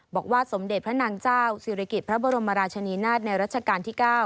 บอกว่าสมเด็จพระนางเจ้าศิริกิจพระบรมราชนีนาฏในรัชกาลที่๙